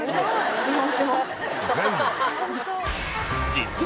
実は